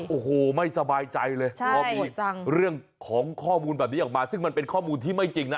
โอ้โหไม่สบายใจเลยพอมีเรื่องของข้อมูลแบบนี้ออกมาซึ่งมันเป็นข้อมูลที่ไม่จริงนะ